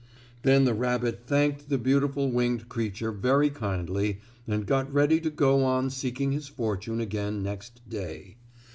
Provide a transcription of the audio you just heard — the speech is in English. Then the rabbit thanked the beautiful winged creature very kindly and got ready to go on seeking his fortune again next day.